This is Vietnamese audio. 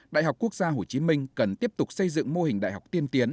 đại học quốc gia tp hcm cần tiếp tục xây dựng mô hình đại học tiên tiến